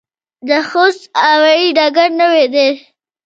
د خوست هوايي ډګر نوی دی